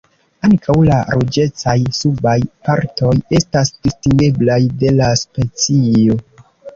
Ankaŭ la ruĝecaj subaj partoj estas distingeblaj de la specio.